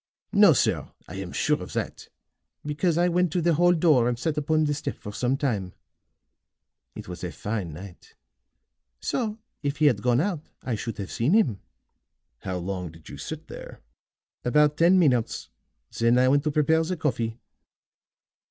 "No, sir. I am sure of that, because I went to the hall door and sat upon the step for some time. It was a fine night. So if he had gone out I should have seen him." "How long did you sit there?" "About ten minutes. Then I went to prepare the coffee."